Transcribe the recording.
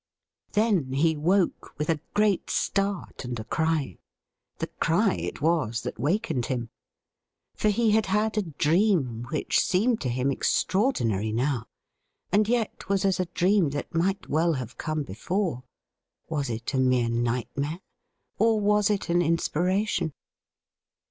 Then he woke with a great start and a cry. The cry it was that wakened him. For he had had a dream which seemed to him extraordinary now, and yet was as a dream that might well have come before. Was it a mere night mare ? or was it an inspiration